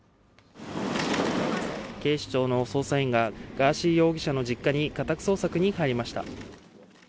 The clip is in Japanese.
警視庁の捜査員がガーシー容疑者の実家に家宅捜索に入りました。